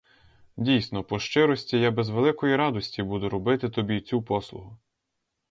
Дійсно, по щирості, я без великої радості буду робити тобі цю послугу.